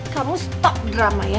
kamu stop drama ya